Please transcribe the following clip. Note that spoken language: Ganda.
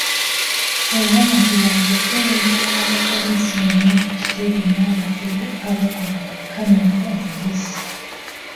Era nti baakukebera abapoliisi bonna ku kitebe n’abakugu abakola ku kkamera enkessi.